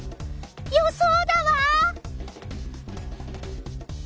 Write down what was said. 予想だわ！